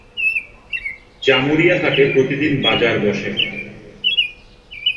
জামুরিয়া হাটে প্রতিদিন বাজার বসে।